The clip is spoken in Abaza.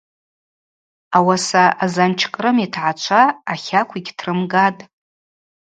Ауаса Азанч Кърым йтгӏачва ахакв йыгьтрымгатӏ.